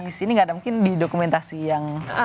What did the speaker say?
kalau disini gak ada mungkin di dokumentasi yang